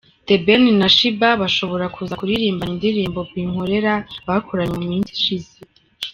The Ben na Sheebah bashobora kuza kuririmbana indirimbo Binkolera bakoranye mu minsi ishize.